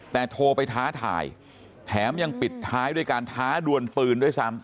แต่โทรไปท้าทายแถมยังปิดท้ายด้วยการท้าดวนปืนด้วยซ้ำ